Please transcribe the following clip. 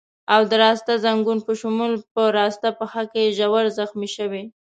او د راسته ځنګون په شمول په راسته پښه کې ژور زخمي شوی.